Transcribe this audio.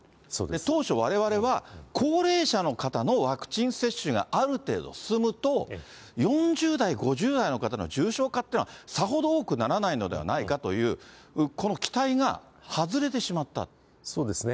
当初、われわれは高齢者の方のワクチン接種がある程度進むと、４０代、５０代の方の重症化っていうのは、さほど多くならないのではないかっていう、そうですね。